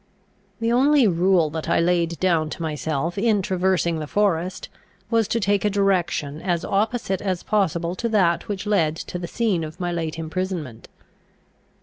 The only rule that I laid down to myself in traversing the forest, was to take a direction as opposite as possible to that which led to the scene of my late imprisonment.